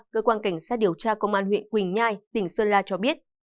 cơ quan cảnh sát điều tra công an huyện quỳnh nhai tỉnh sơn la cho biết